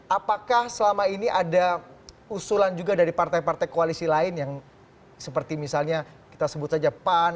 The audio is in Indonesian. apakah selama ini ada usulan juga dari partai partai koalisi lain yang seperti misalnya kita sebut saja pan